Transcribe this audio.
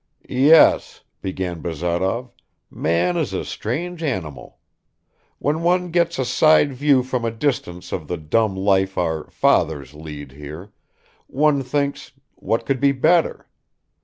"Yes," began Bazarov, "man is a strange animal. When one gets a side view from a distance of the dumb life our 'fathers' lead here, one thinks: what could be better?